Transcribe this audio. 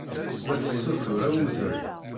La tessutur awezɣi.